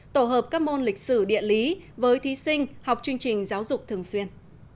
tổ hợp các môn lịch sử địa lý với thí sinh học chương trình giáo dục thường xuyên